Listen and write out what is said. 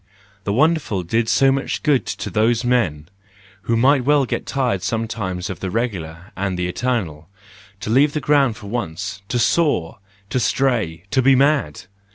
. The wonderful did so much good to those men, who might well get tired sometimes of the regular and THE JOYFUL WISDOM, I 33 the eternal. To leave the ground for once! To soar! To stray! To be mad!